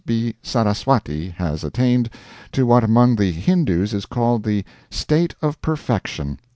B. Saraswati has attained to what among the Hindoos is called the "state of perfection."